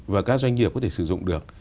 và các doanh nghiệp có thể sử dụng được